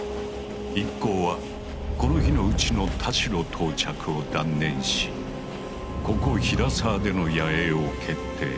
一行はこの日のうちの田代到着を断念しここ平沢での野営を決定。